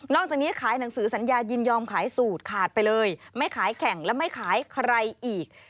จากนี้ขายหนังสือสัญญายินยอมขายสูตรขาดไปเลยไม่ขายแข่งและไม่ขายใครอีก